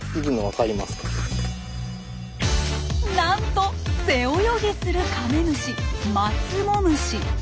なんと背泳ぎするカメムシマツモムシ。